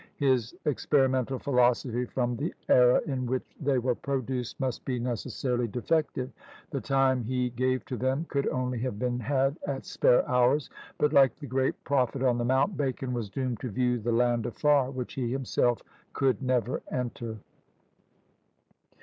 His experimental philosophy from the era in which they were produced must be necessarily defective: the time he gave to them could only have been had at spare hours; but like the great prophet on the mount, Bacon was doomed to view the land afar, which he himself could never enter.